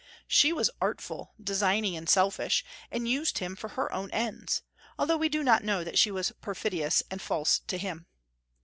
She was artful, designing, and selfish, and used him for her own ends, although we do not know that she was perfidious and false to him.